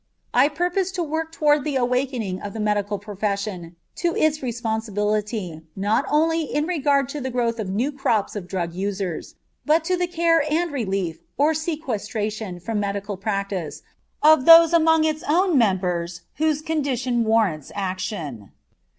I purpose to work toward the awakening of the medical profession to its responsibility not only in regard to the growth of new crops of drug users, but to the care and relief or sequestration from medical practice of those among its own members whose condition warrants action.